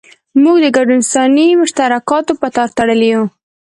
موږ د ګډو انساني مشترکاتو په تار تړلي یو.